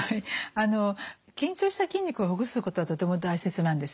あの緊張した筋肉をほぐすことはとても大切なんですね。